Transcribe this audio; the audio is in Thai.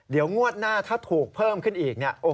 เดี๋ยวงวดหน้าถ้าถูกเพิ่มขึ้นอีก